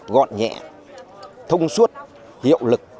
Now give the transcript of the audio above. gọn nhẹ thông suốt hiệu lực